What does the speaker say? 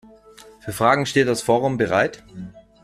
Für Fragen steht das Forum bereit.